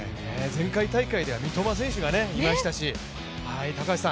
前回大会では三笘選手がいましたしね。